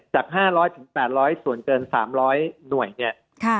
จาก๕๐๐ถึง๘๐๐ส่วนเกิน๓๐๐หน่วย